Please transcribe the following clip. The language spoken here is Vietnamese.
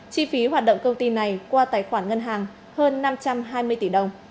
chi phí hoạt động công ty này qua tài khoản ngân hàng hơn năm trăm hai mươi tỷ đồng